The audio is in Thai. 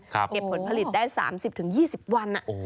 เก็บผลผลิตได้๓๐๒๐วัน